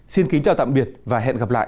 xin kính chào tạm biệt và hẹn gặp lại